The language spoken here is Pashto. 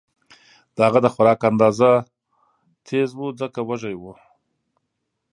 د هغه د خوراک انداز تېز و ځکه وږی و